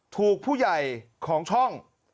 ถูกผู้ใหญ่ของช่อง